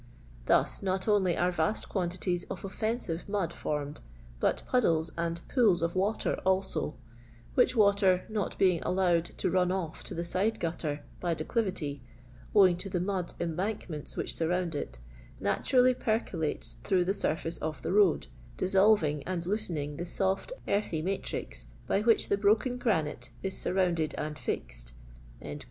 Thna, not only are vast quantities of offensive ■rad finmed, but puddles and pooU qf water also ; whidi water, not being allowed to run off to the lido gutter, by declivity, owing to the mtid em hoMimenU which surround it, naturally pereolaiet ikroMgh the turface qf the road, diteolving and looeening the »nft earthy matrix by which the broken granite is surrounded and fixed."